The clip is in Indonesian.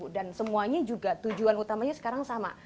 dan semuanya juga tujuan utamanya sekarang sama